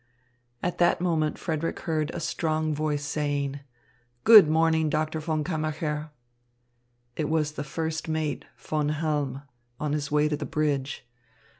At that moment Frederick heard a strong voice saying: "Good morning, Doctor von Kammacher." It was the first mate, Von Halm, on his way to the bridge.